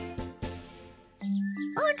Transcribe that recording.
あら！